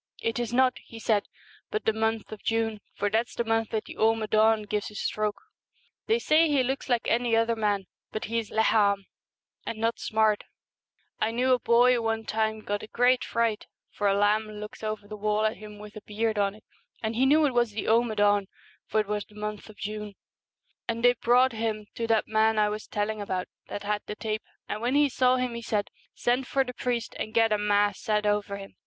" It is not," he said ;" but the month of June, for that's the month that the Ama ddn gives his stroke !" They say he looks like any other man, but he's leathan (wide), 188 and not smart. I knew a boy one time The r • i r i iiii Queen and got a great fright, for a lamb looked over the Fool. the wall at him with a beard on it, and he knew it was the Amaddn, for it was the month of June. And they brought him to that man I was telling about, that had the tape, and when he saw him he said, " Send for the priest, and get a Mass said over him."